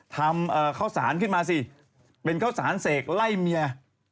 ทำข้าวสารขึ้นมาสิเป็นข้าวสารเสกไล่เมีย